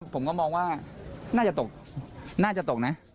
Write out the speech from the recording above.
ผมก็มองว่าน่าจะตกนะ